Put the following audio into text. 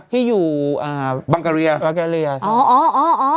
ที่อยู่อ่าบังการียาบังการียาอ๋ออ๋ออ๋อ